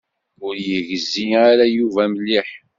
Ur yegzi ara Yuba mliḥ.